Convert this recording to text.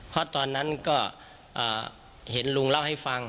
เพราะตอนนั้นก็เห็นลุงเล่าให้ฟัง